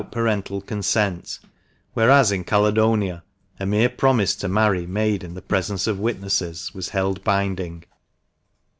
parental consent, whereas in Caledonia a mere promise to marry made in the presence of witnesses was held binding.